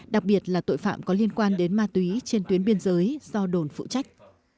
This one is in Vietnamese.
đặc biệt là tội phạm có liên quan đến ma túy trên tuyến biên giới do đồn phụ trách